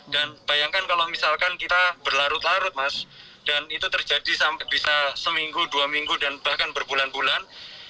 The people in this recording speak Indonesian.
dan bayangkan kalau misalkan kita berlarut larut mas dan itu terjadi sampai bisa seminggu dua minggu dan bahkan berbulan bulan